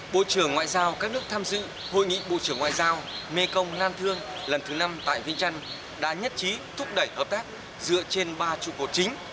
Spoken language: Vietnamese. bộ trưởng ngoại giao các nước tham dự hội nghị bộ trưởng ngoại giao mê công lan thương lần thứ năm tại vinh trân đã nhất trí thúc đẩy hợp tác dựa trên ba trụ cột chính